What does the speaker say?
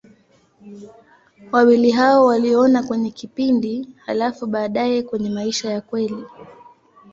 Wawili hao waliona kwenye kipindi, halafu baadaye kwenye maisha ya kweli.